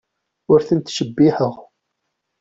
Ur tent-ttcebbiḥeɣ.